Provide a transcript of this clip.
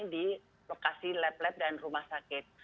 di lokasi lab lab dan rumah sakit